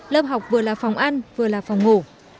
lớp học vừa là phòng ăn vừa là phòng ngủ